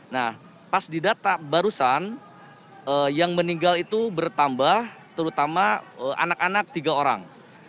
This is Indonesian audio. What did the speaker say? nah pas didata barusan yang meninggal itu bertambah terutama anak anak tiga orang